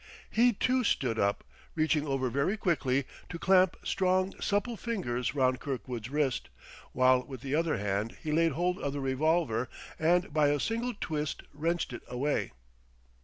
He, too, stood up, reaching over very quickly, to clamp strong supple fingers round Kirkwood's wrist, while with the other hand he laid hold of the revolver and by a single twist wrenched it away.